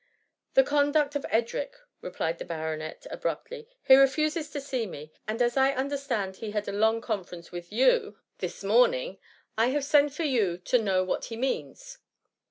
*' The conduct of Edric,^ replied the baronet abruptly ;^^ he refuses to see me, and as I un derstand he had a long conference with you this THS MVMICY. 1S8 morning, I have sent for you to know what he means."